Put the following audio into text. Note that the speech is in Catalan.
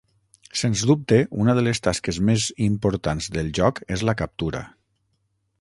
Sens dubte, una de les tasques més importants del joc és la captura.